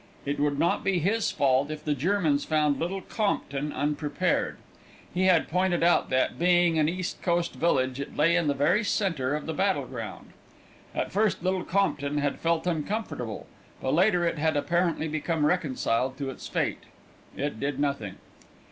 It would not be his fault if the Germans found Little Compton unprepared. He had pointed out that, being an East Coast village, it lay in the very centre of the battle ground. At first Little Compton had felt uncomfortable; but later it had apparently become reconciled to its fate. It did nothing.